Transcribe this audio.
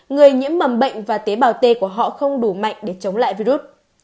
người nhiễm mầm bệnh và tế bào t của họ không đủ mạnh để chống lại virus